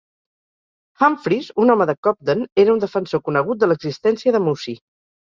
Humphries, un home de Cobden, era un defensor conegut de l'existència de Mussie.